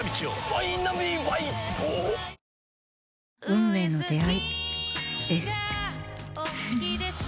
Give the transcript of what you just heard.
運命の出会いです。